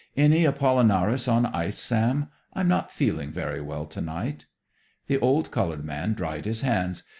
"Any Apollinaris on ice, Sam? I'm not feeling very well tonight." The old colored man dried his hands.